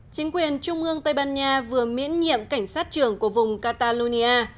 chính quyền trung ương tây ban nha vừa miễn nhiệm cảnh sát trưởng của vùng catalonia